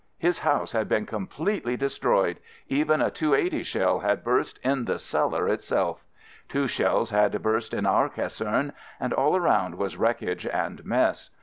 His house had been completely destroyed, — even a "280" shell had burst in the cellar itself. Two shells had burst in our caserne and all around was wreckage and mess.